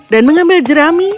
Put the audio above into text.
dan mengambil jerami